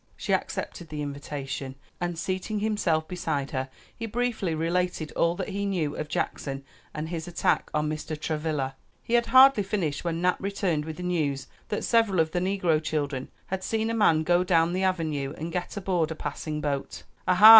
She accepted the invitation, and seating himself beside her he briefly related all that he knew of Jackson and his attack on Mr. Travilla. He had hardly finished when Nap returned with the news that several of the negro children had seen a man go down the avenue and get aboard a passing boat. "Ah ha!"